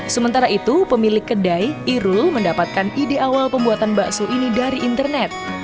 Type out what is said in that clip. sementara itu pemilik kedai irul mendapatkan ide awal pembuatan bakso ini dari internet